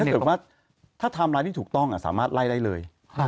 ถ้าเกิดว่าถ้าไทม์ไลน์ที่ถูกต้องสามารถไล่ได้เลย